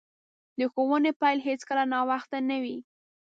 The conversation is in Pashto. د ښوونې پیل هیڅکله ناوخته نه وي.